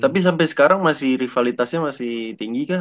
tapi sampai sekarang masih rivalitasnya masih tinggi kah